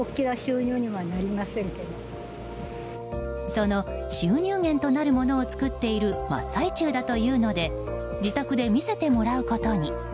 その収入源となるものを作っている真っ最中だというので自宅で見せてもらうことに。